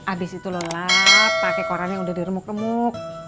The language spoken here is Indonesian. abis itu lo lap pakai koran yang udah diremuk remuk